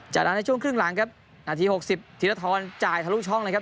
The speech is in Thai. จากนั้นในช่วงครึ่งหลังครับนาที๖๐ธีรทรจ่ายทะลุช่องนะครับ